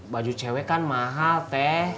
baju cewek kan mahal teh